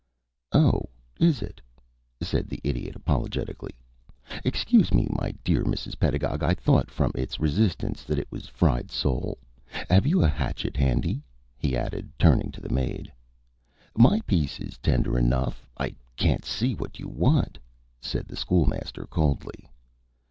"Oh, is it?" said the Idiot, apologetically. "Excuse me, my dear Mrs. Pedagog. I thought from its resistance that it was fried sole. Have you a hatchet handy?" he added, turning to the maid. "My piece is tender enough. I can't see what you want," said the School Master, coldly.